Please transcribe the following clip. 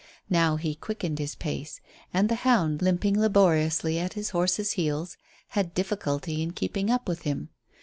Now he quickened his pace, and the hound, limping laboriously at his horse's heels, had difficulty in keeping up with him.